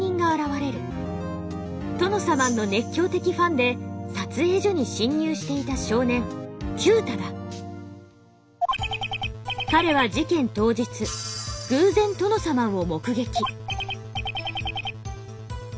トノサマンの熱狂的ファンで撮影所に侵入していた少年彼は事件当日偶然トノサマンを目撃。